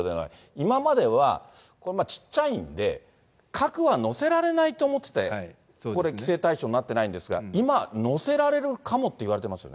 今までは、これ、小っちゃいんで、核は載せられないと思ってて、これ、規制対象になっていないんですが、今、載せられるかもっていわれてますよね。